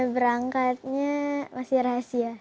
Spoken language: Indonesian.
berangkatnya masih rahasia